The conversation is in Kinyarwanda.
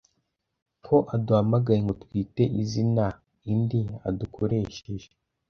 Ko aduhamagaye ngo twite izina ii indi adukoresheje